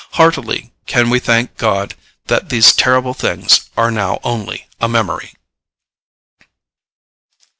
Heartily can we thank God that these terrible things are now only a memory.